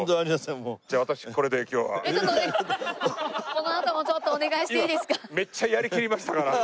このあともちょっとお願いしていいですか。